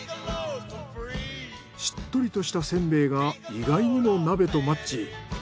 しっとりとしたせんべいが意外にも鍋とマッチ。